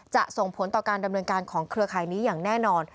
ส่งผลต่อการดำเนินการของเครือข่ายนี้อย่างแน่นอน